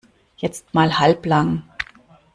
Jetzt mal halblang!